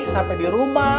sampai di rumah